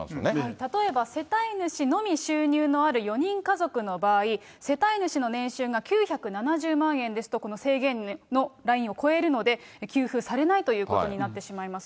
例えば、世帯主のみ収入ありの４人家族の場合、世帯主の年収が９７０万円ですと、この制限のラインを超えるので、給付されないということになってしまいます。